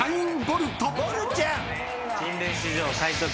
・人類史上最速。